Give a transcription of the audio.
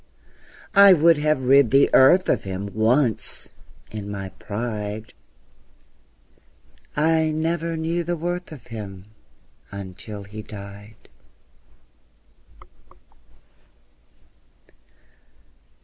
I would have rid the earth of him Once, in my pride! ... I never knew the worth of him Until he died.